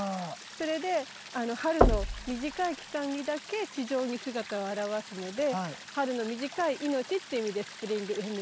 それで春の短い期間にだけ地上に姿を現すので春の短い命って意味でスプリング・エフェメラルっていうふうに呼んでるの。